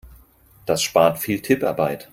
Das spart viel Tipparbeit.